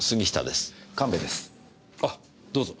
あどうぞ。